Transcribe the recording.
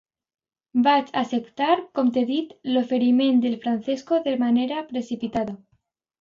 Vaig acceptar, com t'he dit, l'oferiment del Francesco de manera precipitada.